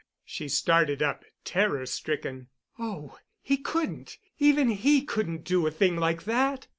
She started up, terror stricken. "Oh, he couldn't—even he—couldn't do a thing like that."